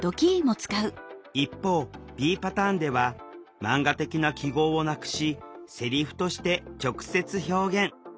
一方Ｂパターンではマンガ的な記号をなくしセリフとして直接表現。